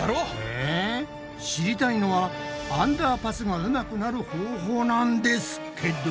え知りたいのはアンダーパスがうまくなる方法なんですけど。